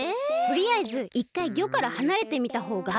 とりあえずいっかい「ギョ」からはなれてみたほうが。